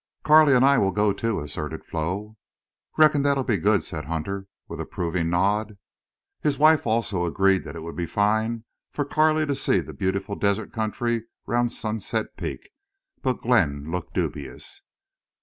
"Carley and I will go too," asserted Flo. "Reckon that'll be good," said Hutter, with approving nod. His wife also agreed that it would be fine for Carley to see the beautiful desert country round Sunset Peak. But Glenn looked dubious.